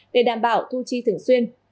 để đảm bảo thu chi thường xuyên